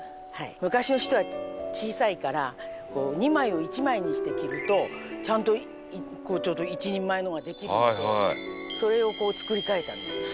昔の人は小さいから２枚を１枚にして着るとちゃんとちょうど１人前のができるんでそれをこう作り変えたんです。